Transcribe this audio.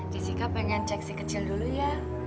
jessica pengen cek si kecil dulu ya